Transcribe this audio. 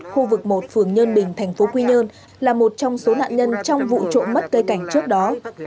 khu vực một phường nhân bình tp quy nhơn là một trong số nạn nhân trong vụ trộm mất cây cảnh trước đó